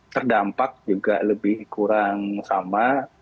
terdampak juga lebih kurang sama